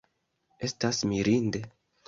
Estas mirinde!